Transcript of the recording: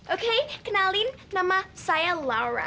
oke kenalin nama saya lara